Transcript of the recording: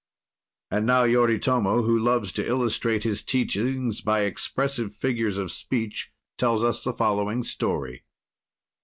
And now, Yoritomo, who loves to illustrate his teachings by expressive figures of speech, tells us the following story.